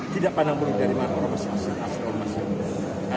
tidak panah murid dari mana orang orang semasa